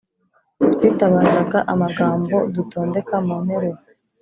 twitabaza amagambo dutondeka mu nteruro.